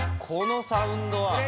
このサウンドは。